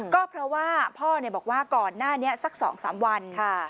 ก็เพราะว่าพ่อบอกว่าก่อนหน้านี้สัก๒๓วัน